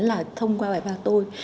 là thông qua bài bà tôi